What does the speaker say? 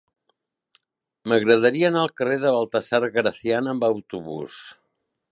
M'agradaria anar al carrer de Baltasar Gracián amb autobús.